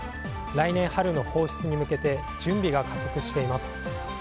来年春の放出に向けて準備が加速しています。